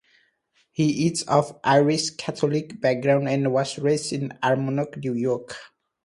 He is of Irish Catholic background and was raised in Armonk, New York.